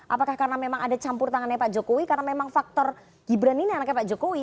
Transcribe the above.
apakah karena memang ada campur tangannya pak jokowi karena memang faktor gibran ini anaknya pak jokowi